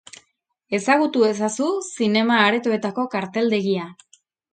Ezagutu ezazu zinema-aretoetako karteldegia.